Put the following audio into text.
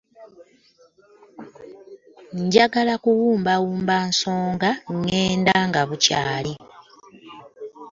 Njagala kuwumbawumba nsonga ŋŋende nga bukyali.